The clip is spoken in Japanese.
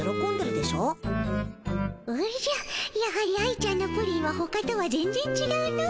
おじゃやはり愛ちゃんのプリンはほかとは全ぜんちがうの。